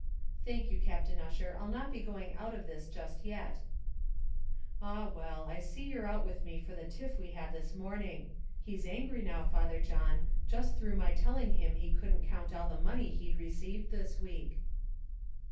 "Thank you, Captain Ussher, I'll not be going out of this just yet." "Ah, well; I see you're out with me for the tiff we had this morning. He's angry now, Father John, just through my telling him he couldn't count all the money he'd received this week."